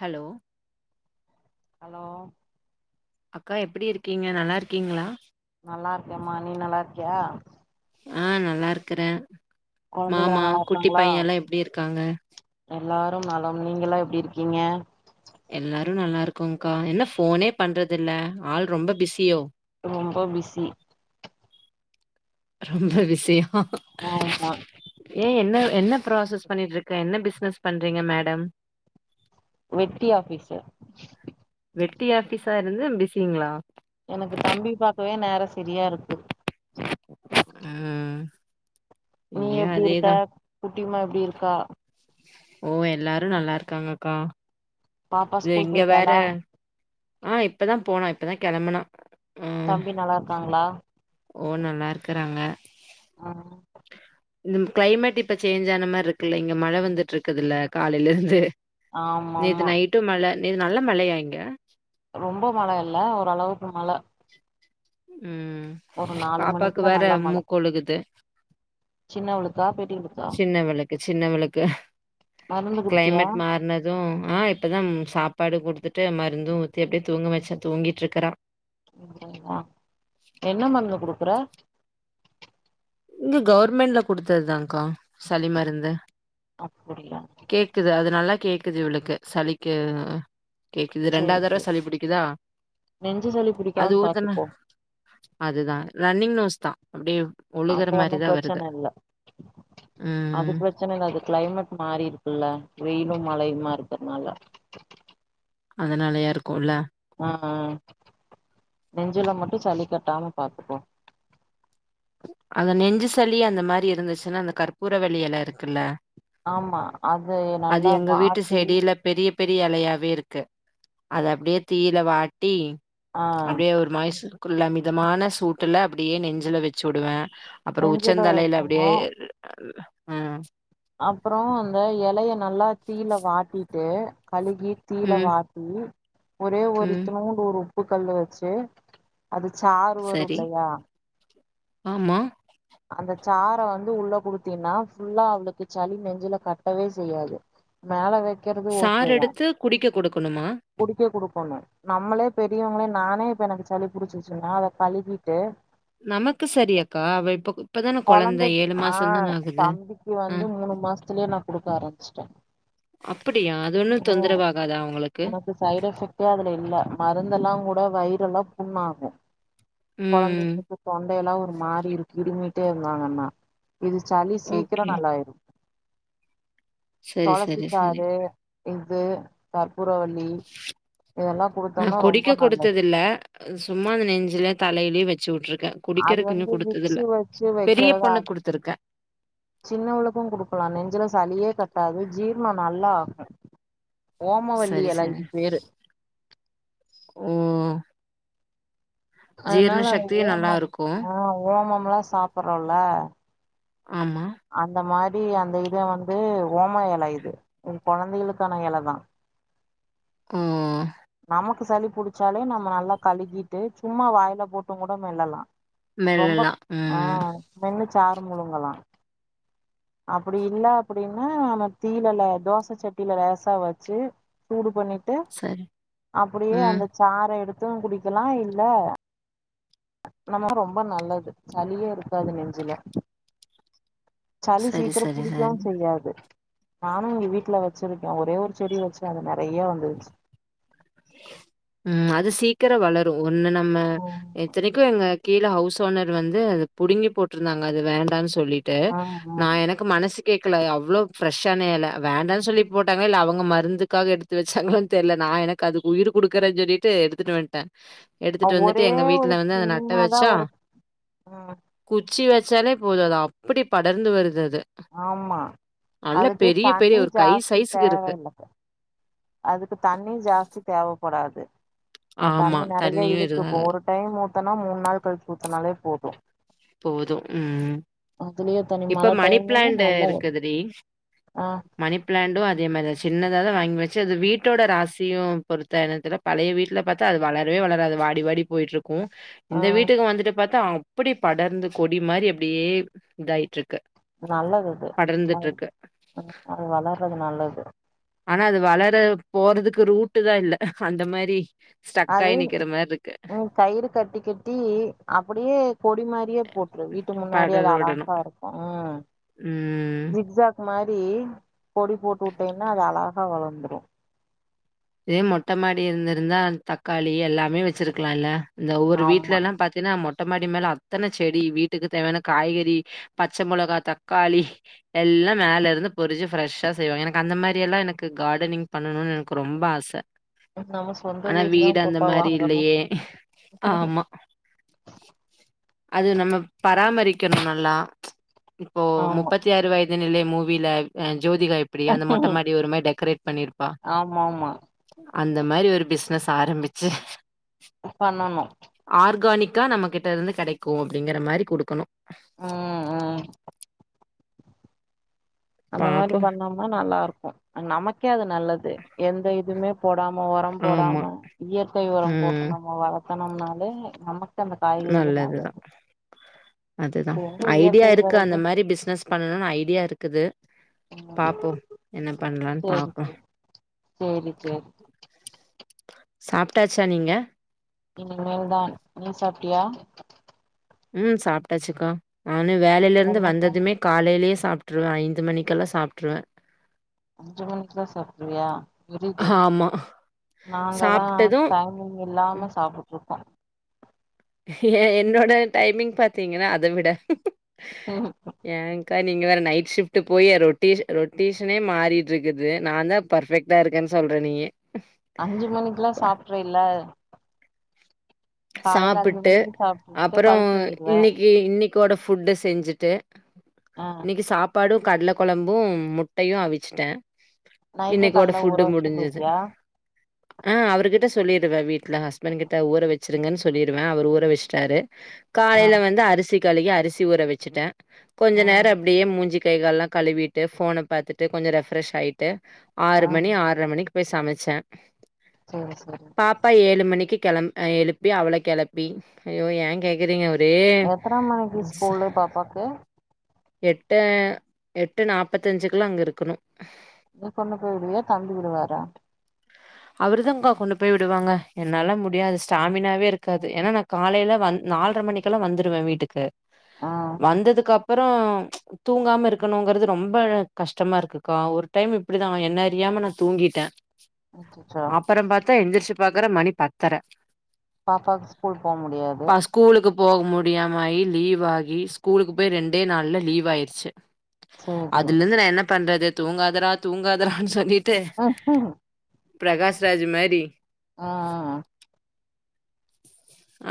Hello hello அக்கா எப்டி இருக்கீங்க நல்லார்க்கீங்ளா நல்லார்க்கேமா நீ நல்லார்க்கியா ஆ நல்லாருக்கறே கொழந்தைகளா மாமா நல்லா குட்டி இருக்காங்களா பையலா எப்டி இருக்காங்க எல்லாரும் நலம் நீங்கலா எப்டி இருக்கீங்க எல்லாரு நல்லாருக்கோங்க்கா என்ன ஃபோனேப் பண்றதில்ல ஆள் ரொம்ப பிஸியோ ரொம்ப பிஸி ரொம்ப பிஸி யா ஆமா ஏ என்ன என்ன ப்ராசஸ் பண்ணிட்டுருக்க என்ன பிஸ்னஸ் பண்றீங்க மேடம் வெட்டி ஆபீசர் வெட்டி ஆபிஸராருந்து பிஸிங்களா எனக்கு தம்பி பாக்கவே நேரம் செரியா இருக்கு ம் நீ எப்படி இருக்க குட்டிமா எப்டி இருக்கா ஓ எல்லாரும் நல்லா இருக்காங்கக்கா பாப்பா இது ஸ்கூல் இங்க வேற போயிட்டாலா ஆ இப்பதான் போனா இப்பதான் கெளம்புனா ஆ தம்பி நல்லா இருக்காங்களா ஓ நல்லா இருக்கறாங்க ஆ இந்த கிளைமேட் இப்ப சேஞ்ச் ஆன மார்ருக்குல்ல இங்க மழ வந்துட்டு இருக்குதுல்ல காலையில இருந்து ஆமா நேத்து ஆமா நைட்டும் மழ நே நல்ல மழையா இங்க ரொம்ப மழ இல்ல ஓரளவுக்கு மழ ம் ஒரு நாலு பாப்பாக்கு மணிக்குலா வேற நல்ல மழ மூக்கொழுகுது சின்னவளுக்கா பெரியவளுக்கா ஜின்னவளுக்கு ஜின்னவளுக்கு மருந்து குடுத்தியா அதும் ஆ இப்பதான் சாப்பாடு குடுத்துட்டு மருந்தும் ஊத்தி அப்டியே தூங்க வைச்ச தூங்கிட்டு இருக்கறா என்ன மருந்து குடுக்குற இங்க கவர்மெண்ட்ல குடுத்ததுதான் கா சளி மருந்து அப்படியா கேக்குது அது நல்லா கேக்குது இவளுக்கு சளிக்கு கேக்குது சேரி ரெண்டாவது தடவ சேரி சளி பிடிக்குதா நெஞ்சு சளி அது புடிக்காம ஊத்துன பாத்துக்கோ அதுதா ரன்னிங் நோஸ் தான் அப்டியே ஒழுகுற அப்போ ஒன்னும் மாரிதா வருது பிரச்சன இல்ல அது ம் பிரச்சன அது கிளைமெட் மாறி இருக்குல்ல வெயிலும் மழையுமா இருக்கறனால அதனாலயா இருக்குல்ல ஆமா நெஞ்சில மட்டும் சளி கட்டாம பாத்துக்கோ அந்த நெஞ்சுசளி அந்த மாறி இருந்துச்சுன்னா அந்த கற்பூர வள்ளி எலருக்குல்ல ஆமா அது நல்லா வீட்டு வாட்டி செடியில பெரிய பெரிய எலையாவே இருக்கு அத அப்டியே தீயில வாட்டி ஆ அப்டியே ஒரு மைசூக்குள்ள மிதமான சூட்டுல அப்படியே நெஞ்சுல வச்சு வுடுவேன் அப்புறம் நெஞ்சுல உச்சந்தலையில அப்டியே வைக்கணு ம் அப்புறம் இந்த எலைய நல்லா தீயில வாட்டிட்டு கழுவி தீயில ம் வாட் டி ஒரே ஒரு ம் இத்துனூன்டு ஒரு உப்பு கல்லு வச்சு அது சாறு சரி. வரும்லையா ஆமா. அந்த சாற வந்து உள்ள குடுத்தீன்னா ஃபுல்லா வந்துட்டு சளி நெஞ்சுல கட்டவே செய்யாது மேல வெக்கறது சாறு ஓகேதான் எடுத்து குடிக்க குடுக்கணுமா? குடிக்க குடுக்கோணும் நம்மளே பெரியவங்களே நானே இப்ப எனக்கு சளி புடிச்சிச்சுன்னா அத கழுவிட்டு நமக்கு சரியக்கா அவ இப்ப இப்பதான கொழந்த கொழந்தைக்கு ஆ மாசம் தான ஆகுது. தம்பிக்கு அ வந்து மூணு மாசத்துலயே நா குடுக்க ஆரம்பிச்சுட்டேன் அப்படியா அது ஒன்னு தொந்தரவு ஆகாதா அவுங்களுக்கு இது சைட் எஃபெக்ட்டே அதுல இல்ல மருந்தெல்லா கூட வயிரெல்லா புண்ணாகு ம் கொழந்தைங்களுக்கு தொண்டையெல்லா ஒரு மாரி இருக்கு இருமிட்டே இருந்தாங்கண்ணா இது சளி சீக்கிரோ ஓகே. நல்லாயிரு சரி, தொளசி சரி, சரி. சாறு இது கற்பூர வல்லி இதெல்லா குடுத்தோம்னா ரொம்ப நல்லது அது சும்மா அந்த நெஞ்சுல தலையிலியு வச்சு உட்டுருக்க அது குடிக்கிறக்கு வந்து இன்னு குடுத்தது இல்ல விக்ஸு வச்சு பெரிய வைக்கிறது பொண்ணுக் அது குடுத்துருக்க சின்னவளுக்கு குடுக்கலா நெஞ்சில சளியே கட்டாது ஜீரணோ நல்லா ஆகு ஓமவல்லி சரி எல சார் இது பேரு ஓ ஜீரண அதனால அந்த சக்தியும் நல்லா ஓமம் இருக்கும். ஆ ஓமம்லா சாப்பறோல்ல ஆமா அந்த மாரி அந்த இத வந்து ஓம எல இது இது கொழந்தைகளுக்கான எலதா ம் நமக்கு சளி புடிச்சாலே நம்ம நல்லா கழுவிட்டு சும்மா வாயில போட்டு கூட மெல்லலா ரொம்ப மெல்லலாம். ஆ ம். மென்னு சாறு முழுங்கலா அப்படி இல்ல அப்படின்னா நம்ம தீயில ல தோச சட்டில லேசா வச்சு சூடு பண்ணிட்டு சரி. அப்படியே ம். அந்த சாற எடுத்து குடிக்கலா இல்ல நமக்கு ரொம்ப நல்லது சளியே இருக்காது நெஞ்சில சளி சரி, சீக்கரோ சரி, சரி. புடிக்கவு செய்யாது நானு எங்க வீட்ல வச்சிருக்க ஒரே ஒரு செடி வச்சு அது நறைய வந்துருச்சு ம் அது சீக்கிரோ வளரு ஒன்னு நம்ம இத்தனைக்கு எங்க கீழ ஹவுஸ் ஓனர் வந்து அது புடுங்கி போட்டிருந்தாங்க அது வேண்டானு சொல்லிட்டு ஆ நா எனக் கு மனசு கேக்கல அவ்ளோ ஃபிரெஷ்ஷான எல வேண்டானு சொல்லி போட்டாங்களா இல்ல அவுங்க மருந்துக்காக எடுத் து வச்சாங்களான்னு தெர்ல நா எனக்கு அதுக்கு உயிர் குடுக்குறன்னு சொல்லிட்டு எடுத்துட்டு வன்ட்ட ஆ எடுத்துட்டு வந்துட்டு ஒரே எங்க ஒரு வீட்ல வந்து அது நட்ட சின்னதா வச்சா ஒரு ம் குச்சி வச்சாலே போது அது அப்படி படர்ந்து வருது அது ஆமா நல்ல அதுக்கு பெரிய பெரிய தண்ணி ஒரு கை ஜாஸ்தி சைஸ்க்கு இருக்கு தேவயில்ல அதுக்கு தண்ணி ஜாஸ்தி தேவப்படாது அ ஆமா. தண்ணி நறைய தண்ணியும் இழுக்கு இப்ப இருக்கு. ஒரு டைம் ஊத்தனா மூணு நாள் கழிச்சு ஊத்தனாலே போது போதும். ம். அதுலயே தண்ணி இப்ப மழ மணி டைம்லலா பிளான்ட் நல்லா வரு இருக்குதுடி. அ மணி பிளாண்டு அதே மாரிதா சின்னதா தா வாங்கி வச்சே அது வீட்டோட ராசியு பொறுத்தா என்னன்னு தெர்ல பழைய வீட்ல பாத்தா அது வளரவே வளராது வாடி வாடி போயிட்டுருக்கு ஆ இந்த வீட்டுக்கு வந்துட்டு பாத்தா அப்படி படர்ந்து கொடி மாரி அப்டியே இதாயிட்டுருக்கு நல்லது அது அ படர்ந்துட்டுருக்கு. அ அது வளர்றது நல்லது ஆனா அது வளர போறதுக்கு ரூட்டுதா இல்ல அந்த மாரி அது ஸ்டக்காயி நிக்கிற மாரி இருக்கு. ம் கயிறு கட்டி கட்டி அப்படியே கொடி மாரி அப்டியே போட்ரு வீட்டு முன்னாடி படர அது விடணும். அலகா இருக்கு ம் ம். சிக்சாக் மாரி கொடி போட்டு உட்டேன்னா அது அலகா வளந்துரு இதே மொட்டமாடி இருந்திருந்தா தக்காளி எல்லாமே வச்சிருக்கலா இல்ல இந்த ஒரு ஆமா வீட்லல்லா பத் ஏனா மொட்ட மாடி மேல அத்தன செடி வீட்டுக்கு தேவையான காய்கறி பச்ச மொளகா தக்காளி எல்லா மேலருந்து பொறிஞ்சி ஃப்ரெஷ்ஷா செய்வாங்க எனக்கு அந்த மாரி எல்லா எனக்கு கார்டனிங் பண்ணணுன்னு எனக்கு ரொம் ப ஆச நம்ம சொந்த ஆனா வீடுதா வீடு அந்த பாப்பா மாரி வாங்கணு இல்லையே ஆமா அது நம்ம பராமரிக்கணு நல்லா இப்போ ஆமா முப்பத்தி ஆறு வயது தே நிலை மூவில அ ஜோதிகா எப்படி அந்த மொட்ட மாடி ஒரு மாரி டெக்கரேட் பண்ணிருப்பா ஆமாமா அந்த மாரி ஒரு பிஸ்னஸ் ஆரம்பிச்சி பண்ணனு ஆர்கானிக்கா நம்மகிட்ட இருந்து கெடைக்கு அப்டிங்கிற மாரி குடுக்கணு ம் ம் அந்த மாரி ஓகே பண்ணம்னா நல்லாருக்கு நமக்கே அது நல்லது எந்த இதுமே போடாம உரம் ஆமா போடாமா இயற் கை உரம் போட்டு ம் நம்ம வளத்தம்னாலே நம்மக்கு நல்லதுதா அதுதா இப்ப எங்க ஐடியா இயற்கை இருக்கு அந்த வருது மாரி பிஸ்னஸ் பண்ணனுன் ஐடியா இருக்குது ம் பாப்போ என்ன பண்ணலான் சேரி பாப்போ சேரி சேரி சேரி சாப்ட்டாச்சா நீங்க இனிமேல்தான் நீ சாப்ட்டியா ம் சாப்ட்டாச்சுக்கா நானு வேலைலருந்து என்ன வந்ததுமே சாப்ட காலைலே சாப்ட்ருவே ஐந்து மணிக்கெல்லா சாப்ட்ருவே அஞ்சு மணிக்குலா சாப்ட்ருவியா வெரி குட் ஆமா நாங்கதா சாப்ட்டது டைமிங் இல்லாம சாப்ட்டுட்ருக்கோ ஏ என்னோட டைமிங் பாத்தீங்கன்னா அத விட ம் ஏன்ங்கா நீங்க வேற நைட் ஷிஃப்ட்டு போய் ரொட்டேஷ் ரொட்டேஷனே மாறிட்ருக்குது நாதா பர்ஃபெக்ட் டா இருக்கன் சொல்றே நீங்க அஞ்சு மணிக்குல்லா சாப்ட்ரில்ல அஞ்சு சாப்புட்டு மணிக்கு சாப்ட்டுட்டு அப்புறோ படுத்து தூங்கிடுவ இன்னிக்கி இன்னிக்கோட ஃபுட்ட செஞ்சுட்டு ஆ இன்னிக்கு சாப்பாடு கட்ல கொலம்பு முட்டையு அவிச்சிட்டே நைட்டே இன்னைக்கோட கால்ல ஊற ஃபுட்டு வச்சுட்டு முடிஞ்சுது போயிட்டியா ஆ அவுருகிட்ட சொல்லிருவே வீட்ல ஹஸ்பண்ட் கிட்ட ஊற வெச்சுருங்கன் சொல்லிருவே அவுரு ஊற வஷ்ட்டாரு ஆ காலைல வந்து அரிசி கலுவி அரிசி ஊற வச்சுட்டே கொஞ்ச நேர ம் அப்டியே மூஞ்சி கைகால்லா கழுவிட்டு ஃபோன பாத்துட்டு கொஞ்ச ரெஃப்ரஷ் ஆயிட்டு ட்டு ஆறு ம் மணி ஆற்ற மணிக்கு போய் சமச்சே ஓ பாப்பா ஏழு மணிக்கி கெளம் ஆ எழுப்பி அவள கெளப்பி ஐயோ ஏ கேக்குறீங்க ஒரே எத்தன மணிக்கு ஸ்கூள்ளு பாப்பாக்கு எட்டே எட்டு நாப்பத்தஞ்சுக்குலா அங்க இருக்கணு நீ கொண்டு போய் உடுவியா தம்பி உடுவாரா அவருதாங்க்கா கொண்டு போய் விடுவாங்க என்னால முடியாது ஸ்டாமினாவே இருக்காது ஏன்னா நா காலைல வந் நால்ர மணிக் கலா வந்துருவே வீட்டுக்கு ஆ வந்ததுக் அப்புறோ தூங்காம இருக்கணுங்கிறது ரொம்ப கஷ்டமா இருக்குக்கா ஒரு டைம் இப்படிதா என்ன அறியாம நா தூங்கிட்டே ஓகே அப்பறம் பாத்தா எந்திர்ச்சு பாக்கற மணி பத்தர பாப்பாக் ஸ்கூல் போ முடியாது பா ஸ்கூலுக்கு போக முடியாம லீவ் ஆகி ஸ்கூலுக்கு போய் ரெண்டே நாள்ல லீவ் ஆய்ருச்சு சேரி அதுல இருந்து நா என்ன பண்றது தூங்காதடா தூங்காதடான் சொல்லிட்டு ம் ம் பிரகாஷ் ராஜ் மாரி ஆ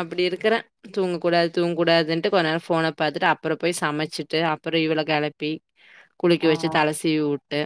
அப்டி இருக்குறே தூங்க கூடாது தூங்க்கூடாதுன்ட்டு கொஞ் நேரோ ஃபோன பாத்துட்டு அப்றோ போய் சமச்சிட்டு அப்றோ இவள கெளப்பி குளிக்க ஆ வச்சு தலசீவிவுட்டு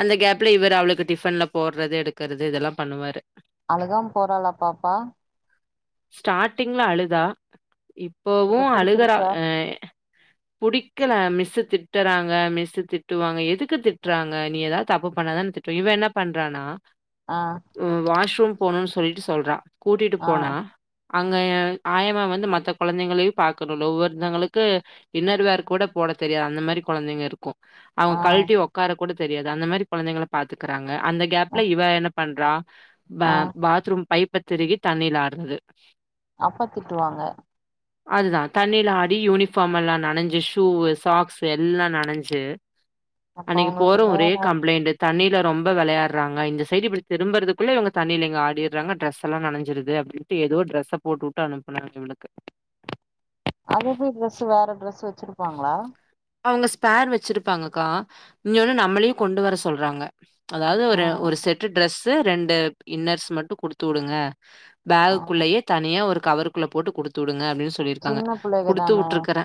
அந்த கேப்ல இவரு அவளுக்கு டிஃபன்ல போட்றது எடுக்றது இதெல்லா பண்ணுவாரு அழுகாம் போறாளா பாப்பா ஸ்டார்ட்டிங்ல அழுதா இப்பவு இப்ப அழுகுறா புடிச்சிருச்சா ஆ புடிக்கல மிஸ்ஸு திட்டறாங்க மிஸ்ஸு திட்டுவாங்க எதுக்கு திட்றாங்க நீ எதாது தப்பு பண்ணாதான திட் டு இவ என்ன பண்றானா ஆ ம் வாஷ்ரூம் போனுன் சொல்லிட்டு சொல்றா கூட்டிட்டு ஆ போனா அங்க ஆயமா வந்து மத்த கொழந்தைங்களயு பாக்கனுல ஒவ்வொருத்தோங்களுக்கு இன்னர்வேர் கூட போட தெரியாது அந்த மாரி கொழந்தைங்க இருக்கு அவுங்க ஆ கழட்டி ஒக்கார கூட தெரியாது அந்த மாரி கொழந்தைங்கள பாத்துக்கறாங்க அந்த ஆ கேப்ல இவ என்ன பண்றா ப ஆ பாத்ரூம் பைப்ப திருகி தண்ணிலாட்றது அப்ப திட்டுவாங்க அதுதா தண்ணில ஆடி யூனிஃபார்ம் எல்லா நனஞ்சு ஷூவு சாக்ஸு எல்லா நனஞ்சு அப்ப அன்னக்கி அவங்களுக்கு போறோ ஒரே வேல கம்ப்ளைண்ட்டு தண்ணில ரொம்ப வெளயாட்றாங்க இந்த சைடு இப்டி திரும்பறதுக்குள்ள இவுங்க தண்ணில இங்க ஆடிட்றாங்க டிரஸெல்லா நெனஞ்சுருது அப்டின் ட்டு எதோ டிரெஸ போட்டுவுட்டு அனுப்புனாங்க இவுளுக்கு அதெப்டி ட்ரெஸு வேற டிரெஸு வச்சிருப்பாங்ளா அவுங்க ஸ்பேர் வச்சிருப்பாங்கக்கா இங்கொன்னு நம்மளயு கொண்டு வர சொல்றாங்க அதாவ்து ஆ ஒரு ஒரு செட்டு ட்ரெஸு ரெண்டு இன்னர்ஸ் மட்டு குடுத்து விடுங்க ஆ பேகுக்குள்ளயே தனியா ஒரு கவருக்குள்ள போட்டு குடுத்து வுடுங்க அப்டின் சொ சொல்லிருக்காங்க சின்ன புள்ளைக குடுத்து தான வுட்ருக்றே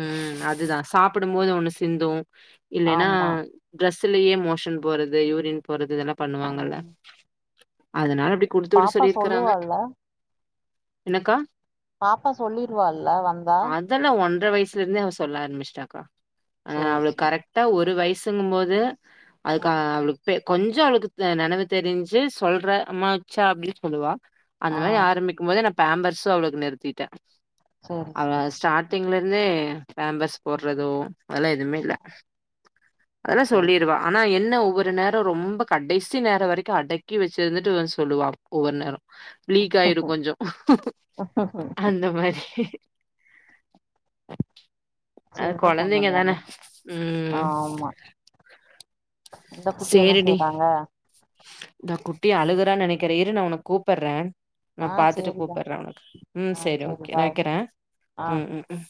ம் அதுதா சாப்பிடும்போது ஒண்ணு சிந்து இல்லைனா ஆமா ட்ரெஸுலயே மோஷன் போறது யூரின் போறது இதெல்லா ஆ பண்ணுவாங்கல்ல அதனால அப்டி குடுத்து விட பாப்பா சொல்லிருக்கறாங்க சொல்லுவால்ல என்னக்கா பாப்பா சொல்லிருவால்ல வந்தா அதெல்லா ஒன்ர வய்சுலருந்தே அவ சொல்ல ஆரம்பிச்ட்டாக்கா ஆ சேரி அவ்ளுக் சேரி கரெக்டா ஒரு வயசுங்கம்போது ஆ அதுக்கா அவ்ளு பே கொஞ்சொ அவளுக்கு நெனவு தெரிஞ்சு சொல்ற அம்மா உச்சா அப்டின் சொல்வா அந்த ஆ மாதிரி ஆரம்பிக்கும்போதே நா பேம்பர்ஸு அவ்ளுக்கு நிறுத்திட்டே சேரி அவ சேரி ஸ்டார் டிங்லருந்தே பேம்பர்ஸ் போட்றதோ அதெல்லா எதுமே இல்ல ஆ அதல்லா சேரி சொல்லிருவா ஆனா என்ன ஒவ்வொரு நேரோ ரொம்ப கடைசி நேரோ வரைக்கு அடக்கி வச்சிருந்துட்டு வந்து சொல்லுவா ஒவ்வொர் நேரோ லீக்காய்ரு கொஞ்சொ அந்த மாரி அது சின்ன பொண்ணு கொழந்தைங்க தான தானே ம் ஆமா இந்த குட்டி என்ன சேரி டி செய்றாங்க இந்தா குட்டி அழுகுறா நெனைக்கிறே இரு நா ஒனக் கூப்புறே நா ஆ பாத்துட்டு சேரிடா கூப்புறே ஒனக்கு ம் ஆ சேரி ஓகே நா பாய் வெக்கிறே ஆ ம் ம் ம்